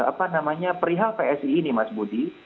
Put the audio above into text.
apa namanya perihal psi ini mas budi